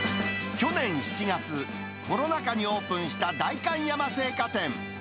去年７月、コロナ禍にオープンした代官山青果店。